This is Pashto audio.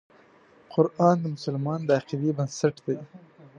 قرآن د مسلمان د عقیدې بنسټ دی.